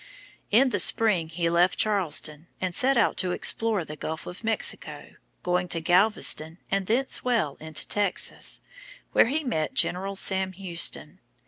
In the spring he left Charleston and set out to explore the Gulf of Mexico, going to Galveston and thence well into Texas, where he met General Sam Houston.